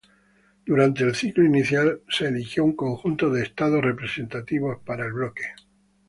Durante el ciclo inicial se eligió un conjunto de "estados representativos" para el bloque.